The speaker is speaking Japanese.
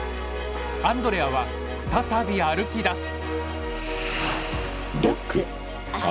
アンドレアは再び歩きだす。